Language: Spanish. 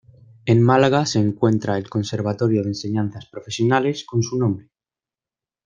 En Málaga se encuentra el Conservatorio de Enseñanzas Profesionales con su nombre.